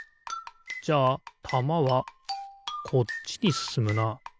じゃあたまはこっちにすすむな。